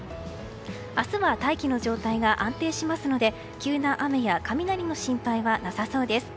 明日は大気の状態が安定しますので急な雨や雷の心配はなさそうです。